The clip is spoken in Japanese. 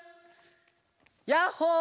ヤッホー！